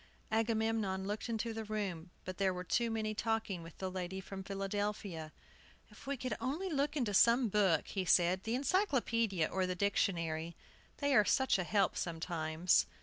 Agamemnon looked into the room, but there were too many talking with the lady from Philadelphia. "If we could only look into some book," he said, "the encyclopaedia or the dictionary, they are such a help sometimes!"